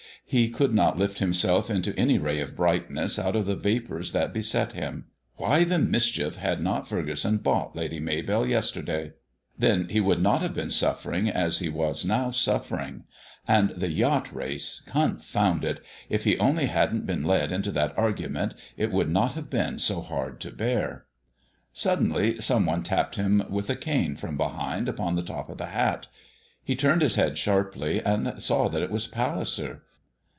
He could not lift himself into any ray of brightness out of the vapors that beset him. Why the mischief had not Furgeson bought Lady Maybell yesterday; then he would not have been suffering as he was now suffering. And the yacht race confound it! if he only hadn't been led into that argument it would not have been so hard to bear. Suddenly some one tapped him with a cane from behind upon the top of the hat. He turned his head sharply and saw that it was Palliser.